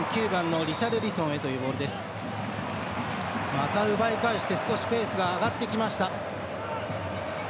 また奪い返して少しペースが上がってきました。